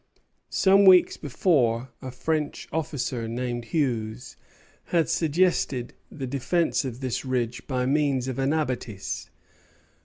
Some weeks before, a French officer named Hugues had suggested the defence of this ridge by means of an abattis.